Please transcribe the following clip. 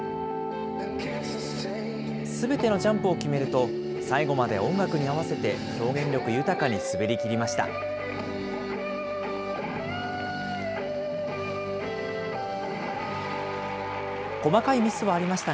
すべてのジャンプを決めると、最後まで音楽に合わせて表現力豊かに滑りきりました。